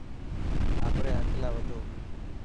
آپري حق لاءِ وڌو.